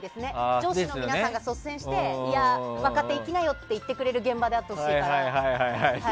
上司の皆さんが率先して若手が行きなよって言ってくれる現場であってほしいから。